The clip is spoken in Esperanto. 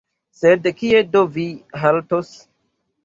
sed kie do vi haltos?